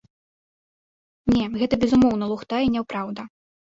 Не, гэта безумоўна лухта і няпраўда.